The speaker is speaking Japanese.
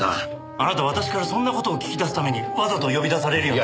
あなた私からそんな事を聞き出すためにわざと呼び出されるような事を。